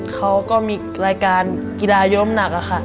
เขาก็มีรายการกีฬายมหนักค่ะ